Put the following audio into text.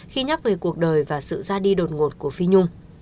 khi nhắc về cuộc đời và sự ra đi đột ngột của phi nhung